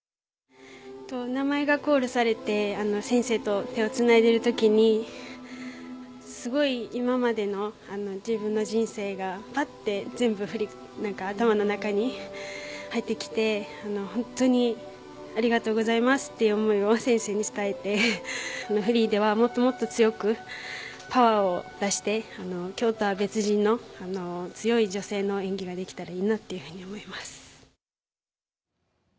名前がコールされて先生と手をつないでいるときにすごい今までの自分の人生がパッと全部頭の中に入ってきて本当にありがとうございますという思いを先生に伝えてフリーではもっと強くパワーを出して今日とは別人の強い女性の演技ができたらいいなと思います。